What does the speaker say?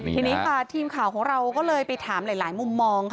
ทีนี้ค่ะทีมข่าวของเราก็เลยไปถามหลายมุมมองค่ะ